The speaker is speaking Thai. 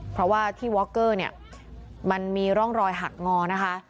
เพราะว่าที่วอคเกอร์เนี่ยมันมีร่องรอยหักงอนะคะ